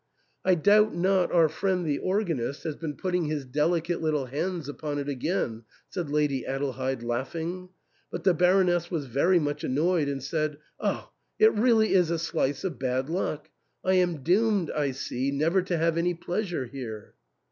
" I doubt not our friend the organist has been putting his delicate little hands upon it again," said Lady Adelheid laughing ; but the Baroness was very much annoyed and said, " Oh, it really is a slice of bad luck ! I am doomed, I see, never to have any pleasure here."